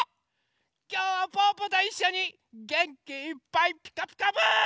きょうはぽぅぽといっしょにげんきいっぱい「ピカピカブ！」。